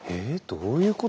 どういうこと？